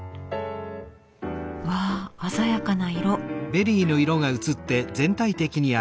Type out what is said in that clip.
わあ鮮やかな色。